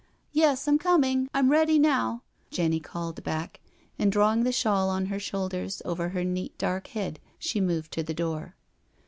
" Yes, I'm comin', I'm ready now," Jenny called back, and, drawing the shawl on her shoulders over her neat dark head, she moved to the door.